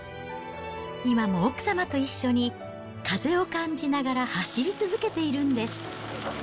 今も奥様と一緒に、風を感じながら走り続けているんです。